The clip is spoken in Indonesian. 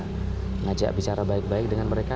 mengajak bicara baik baik dengan mereka